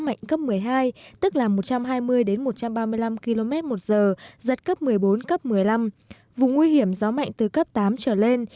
mạnh cấp một mươi hai tức là một trăm hai mươi một trăm ba mươi năm km một giờ giật cấp một mươi bốn cấp một mươi năm vùng nguy hiểm gió mạnh từ cấp tám trở lên